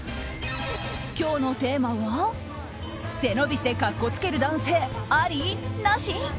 今日のテーマは背伸びしてカッコつける男性あり？